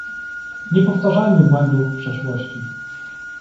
nie powtarzajmy błędów przeszłości